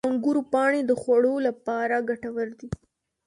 • د انګورو پاڼې د خوړو لپاره ګټور دي.